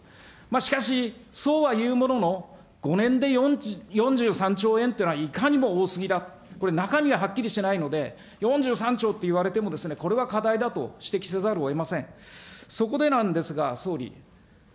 しかし、そうは言うものの、５年で４３兆というのは、いかにも多すぎだ、これ、中身がはっきりしていないので、４３兆って言われても、これは課題だとしてざるをえません。